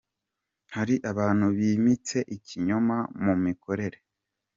Hari abantu bimitse ikinyoma mu mikorere